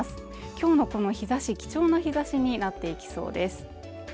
今日のこの日ざし貴重な日差しになっていきそうです